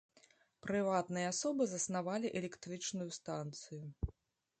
Прыватныя асобы заснавалі электрычную станцыю.